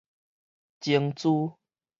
晶珠